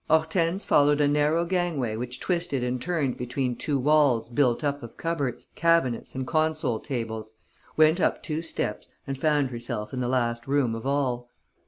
Hortense followed a narrow gangway which twisted and turned between two walls built up of cupboards, cabinets and console tables, went up two steps and found herself in the last room of all.